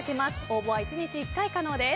応募は１日１回可能です。